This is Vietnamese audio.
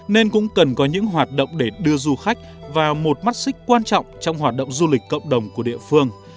nên cũng cần có những hoạt động để đưa du khách vào một mắt xích quan trọng trong hoạt động du lịch cộng đồng của địa phương